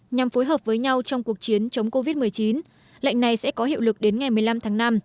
nhằm phối hợp với nhau trong cuộc chiến chống covid một mươi chín lệnh này sẽ có hiệu lực đến ngày một mươi năm tháng năm